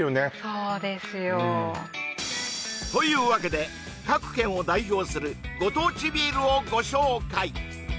そうですよというわけで各県を代表するご当地ビールをご紹介！